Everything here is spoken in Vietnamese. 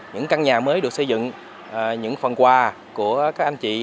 những căn nhà mới được xây dựng những phần quà của các anh chị